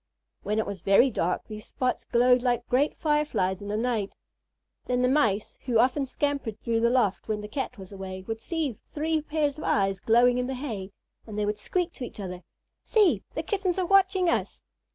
When it was very dark, these spots glowed like great Fireflies in the night. Then the Mice, who often scampered through the loft when the Cat was away, would see three pairs of eyes glowing in the hay, and they would squeak to each other: "See! The Kittens are watching us."